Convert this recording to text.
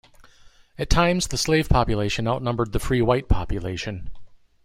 At times the slave population outnumbered the free white population.